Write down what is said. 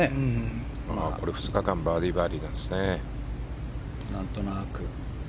２日間、バーディーバーディーなんですね。